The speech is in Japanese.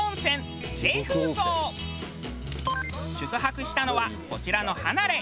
宿泊したのはこちらの離れ。